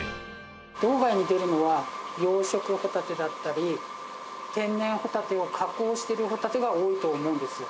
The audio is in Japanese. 道外に出るのは養殖ホタテだったり天然ホタテを加工してるホタテが多いと思うんですよ。